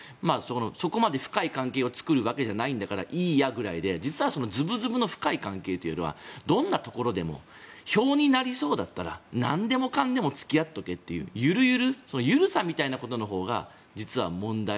そこまで深い関係を作るわけじゃないんだからいいや、ぐらいで実はそのズブズブの深い関係というのはどんなところでも票になりそうだったらなんでもかんでも付き合っとけという緩さみたいなもののほうが実は問題。